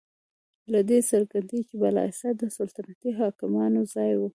له دې څرګندیږي چې بالاحصار د سلطنتي حاکمانو ځای و.